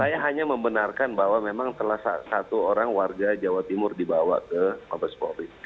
saya hanya membenarkan bahwa memang telah satu orang warga jawa timur dibawa ke mabes polri